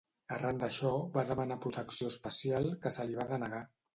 Arran d'això, va demanar protecció especial, que se li va denegar.